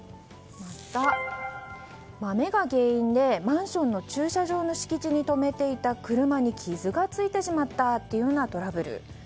また、豆が原因でマンションの駐車場の敷地に止めていた車に傷がついてしまったというようなトラブル。